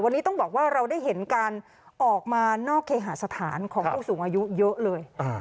วันนี้ต้องบอกว่าเราได้เห็นการออกมานอกเคหาสถานของผู้สูงอายุเยอะเลย